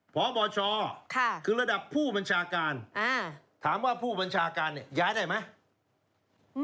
พบชคือระดับผู้บัญชาการถามว่าผู้บัญชาการเนี่ยย้ายได้ไหม